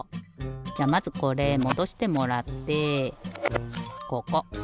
じゃあまずこれもどしてもらってここ。